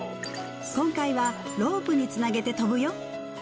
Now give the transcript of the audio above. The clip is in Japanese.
今回はロープにつなげて飛ぶよ